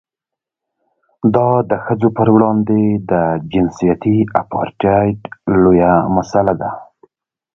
دا د ښځو پر وړاندې د جنسیتي اپارټایډ لویه مسله ده.